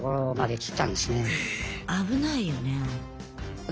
危ないよねえ。